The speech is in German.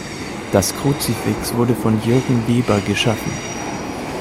Das Kruzifix wurde von Jürgen Weber geschaffen.